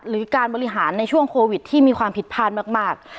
หรือการบริหารในช่วงโควิดที่มีความผิดพลาดมาก